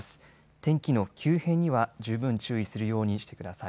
天気の急変には十分注意するようにしてください。